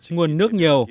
nguồn nước nhiều